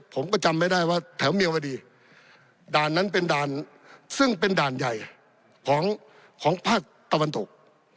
ผมก็จำไม่ได้ว่าแถวเมียวดีด่านนั้นเป็นด่านซึ่งเป็นด่านใหญ่ของภาคตะวันตก